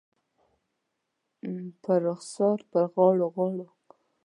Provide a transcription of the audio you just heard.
پر رخسار، پر غاړو ، غاړو